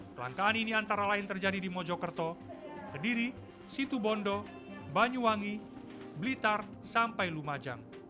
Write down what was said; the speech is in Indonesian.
kelangkaan ini antara lain terjadi di mojokerto gediri situ bondo banyuwangi blitar sampai lumajang